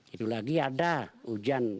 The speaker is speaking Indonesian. itu lagi ada hujan